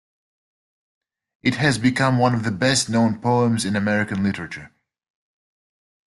It has become one of the best-known poems in American literature.